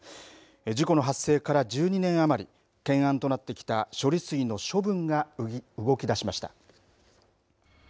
事故の発生から１２年余り懸案となってきた処理水の処分が動き出しました。